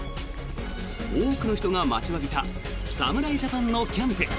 多くの人が待ちわびた侍ジャパンのキャンプ。